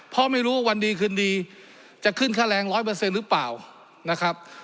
เพราะไม่รู้ว่าวันดีคืนดีจะขึ้นค่าแรงร้อยเปอร์เซนต์หรือเปล่า